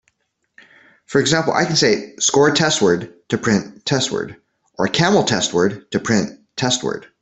For example, I can say "score test word" to print "test word", or "camel test word" to print "testWord".